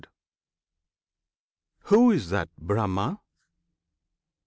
Who is that BRAHMA?